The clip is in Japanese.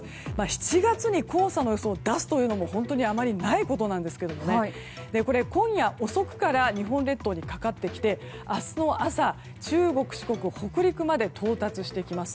７月に黄砂の予想を出すのもあまりないことなんですが今夜、遅くから日本列島にかかってきて明日の朝中国・四国、北陸まで到達してきます。